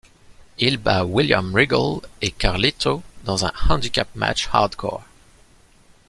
Il bat William Regal et Carlito dans un Handicap match Hardcore.